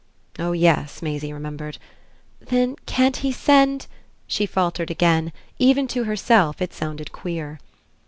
Oh yes, Maisie remembered. "Then can't he send " She faltered again; even to herself it sounded queer.